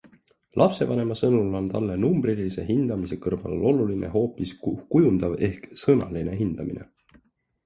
Lapsevanema sõnul on talle numbrilise hindamise kõrval oluline hoopis kujundav ehk sõnaline hindamine.